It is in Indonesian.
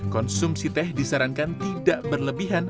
konsumsi teh disarankan tidak berlebihan